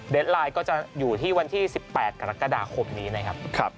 ไลน์ก็จะอยู่ที่วันที่๑๘กรกฎาคมนี้นะครับ